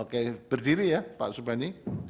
oke berdiri ya pak subani